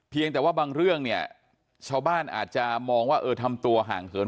แต่ว่าบางเรื่องเนี่ยชาวบ้านอาจจะมองว่าเออทำตัวห่างเหิน